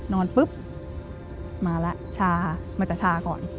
นอนปุ๊บมาแล้วชามันจะชาก่อน